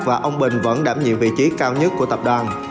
và ông bình vẫn đảm nhiệm vị trí cao nhất của tập đoàn